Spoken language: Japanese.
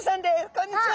こんにちは。